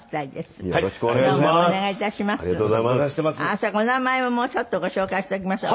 それからお名前ももうちょっとご紹介しておきましょう。